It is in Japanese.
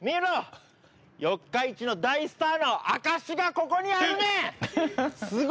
四日市の大スターの証しがここにあるねん！